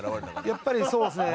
やっぱりそうですね。